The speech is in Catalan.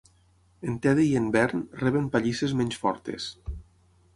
En Teddy i en Vern reben pallisses menys fortes.